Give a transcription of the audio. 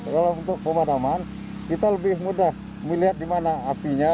kalau untuk pemadaman kita lebih mudah melihat dimana apinya